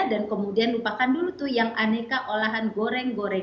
dan kemudian lupakan dulu yang aneka olahan goreng goreng